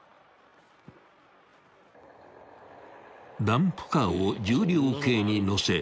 ［ダンプカーを重量計に載せ